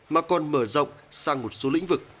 mà còn mở rộng sang một số lĩnh vực